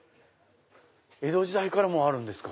江戸時代からあるんですか。